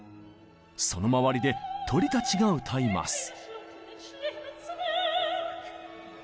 その周りで鳥たちが歌います。